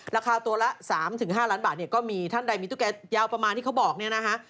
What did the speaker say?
ราคาตัวละ๓๕ล้านบาทเนี่ยก็มีท่านใดมีตุ๊กแกยาวประมาณที่เขาบอกเนี่ยนะฮะ